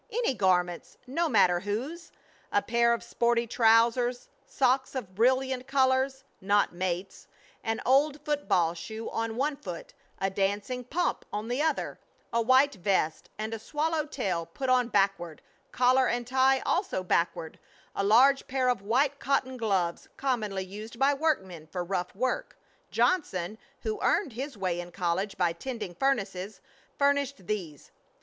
Any garments, no matter whose. A pair of sporty trousers, socks of brilliant colors not mates, an old football shoe on one foot, a dancing pump on the other, a white vest and a swallow tail put on backward, collar and tie also backward, a large pair of white cotton gloves commonly used by workmen for rough work Johnson, who earned his way in college by tending furnaces, furnished these.